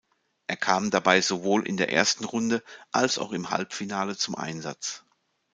Er kam dabei sowohl in der ersten Runde als auch im Halbfinale zum Einsatz.